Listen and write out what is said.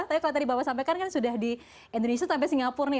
tapi kalau tadi bapak sampaikan kan sudah di indonesia sampai singapura nih